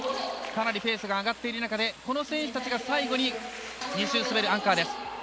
かなりペースが上がっている中でこの選手たちが最後に２周滑るアンカーです。